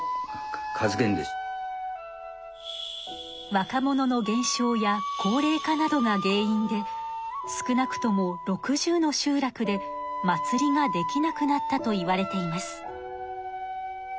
若者の減少や高齢化などが原因で少なくとも６０の集落で祭りができなくなったといわれています。